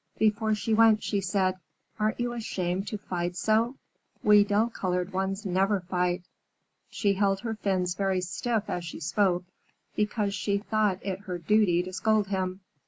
Before she went, she said, "Aren't you ashamed to fight so? We dull colored ones never fight." She held her fins very stiff as she spoke, because she thought it her duty to scold him.